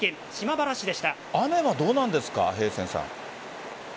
雨はどうなんですか？